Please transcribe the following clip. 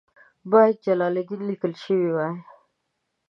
باید جلال الدین لیکل شوی وای.